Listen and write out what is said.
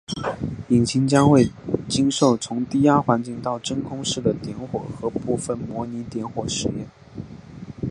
引擎将会经受从低压环境到真空室的点火和部分模拟点火实验。